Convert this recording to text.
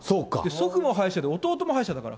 祖父も歯医者で、弟も歯医者だから。